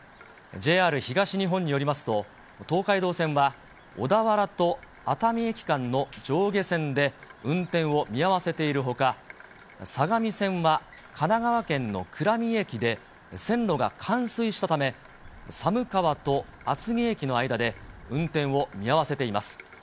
ＪＲ東日本によりますと、東海道線は小田原と熱海駅間の上下線で運転を見合わせているほか、相模線は神奈川県の倉見駅で線路が冠水したため、寒川と厚木駅の間で、運転を見合わせています。